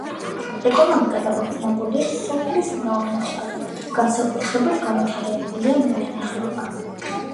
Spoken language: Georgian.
ეკონომიკა დაფუძნებულია სოფლის მეურნეობაზე, განსაკუთრებით განვითარებულია მევენახეობა.